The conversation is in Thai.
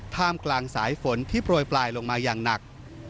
ท่ามกลางสายฝนที่โปรยปลายลงมาอย่างหนัก